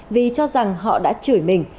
vì cho rằng họ đã chửi mình